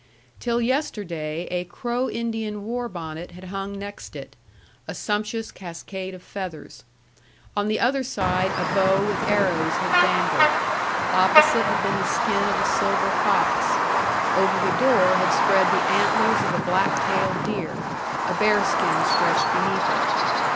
Till yesterday a Crow Indian war bonnet had hung next it, a sumptuous cascade of feathers; on the other side a bow with arrows had dangled; opposite had been the skin of a silver fox; over the door had spread the antlers of a black tail deer; a bearskin stretched beneath it.